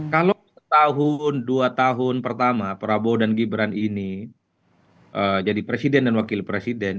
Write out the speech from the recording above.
kalau setahun dua tahun pertama prabowo dan gibran ini jadi presiden dan wakil presiden